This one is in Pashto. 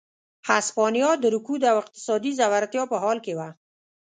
هسپانیا د رکود او اقتصادي ځوړتیا په حال کې وه.